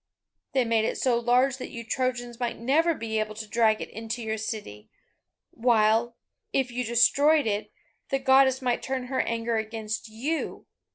They made it so large that you Trojans might never be able to drag it into your city; while, if you destroyed it, the Goddess might turn her anger against you.